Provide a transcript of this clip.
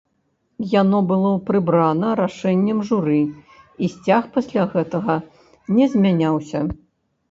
Яно было прыбрана рашэннем журы, і сцяг пасля гэтага не змяняўся.